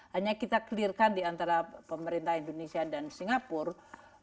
hanya kita clearkan diantara pemerintah indonesia dan singapura